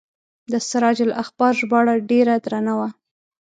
د سراج الاخبار ژباړه ډیره درنه وه.